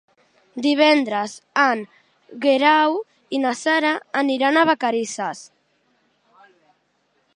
Divendres en Guerau i na Sara aniran a Vacarisses.